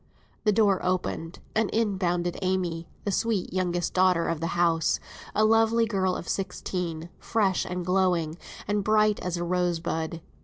The door opened and in bounded Amy, the sweet youngest daughter of the house, a lovely girl of sixteen, fresh and glowing, and bright as a rosebud.